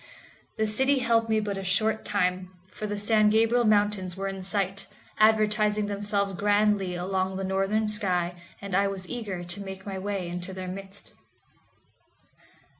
The city held me but a short time, for the San Gabriel Mountains were in sight, advertising themselves grandly along the northern sky, and I was eager to make my way into their midst.